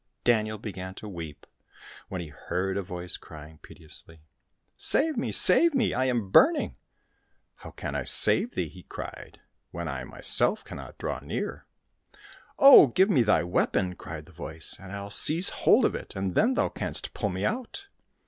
Daniel began to weep, when he heard a voice crying piteously, " Save me, save me ! I am burning !"—" How can I save thee," he cried, " when I myself cannot draw near ?"—". Oh ! give me thy weapon !" cried the voice, " and I'll seize hold of it, and then thou canst pull me out."